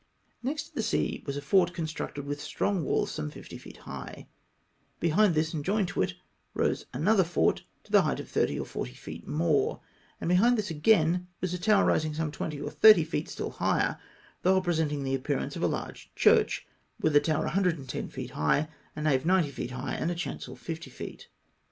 Next to the sea was a fort constructed with strong walls some 50 feet high. Behind this and joined to it, rose another fort to the height of 30 or 40 feet more, and behmd this again was a tower rising some 20 or 30 feet still higher, the whole presenting the appear ance of a large church with a tower 110 feet high, a nave 90 feet high, and a chancel 50 feet.